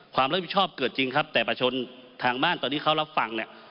ความรับผิดชอบเกิดจริงครับแต่ประชนทางบ้านตอนที่เขารับฟังเนี่ย